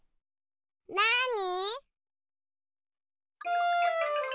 なに？